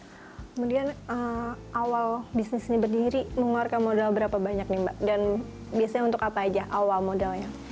kemudian awal bisnis ini berdiri mengeluarkan modal berapa banyak nih mbak dan biasanya untuk apa aja awal modalnya